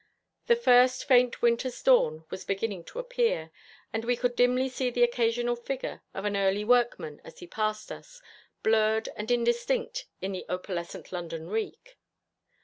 The first faint winter's dawn was beginning to appear, and we could dimly see the occasional figure of an early workman as he passed us, blurred and indistinct in the opalescent London reek.